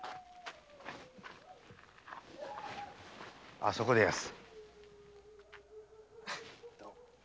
あそこでやす。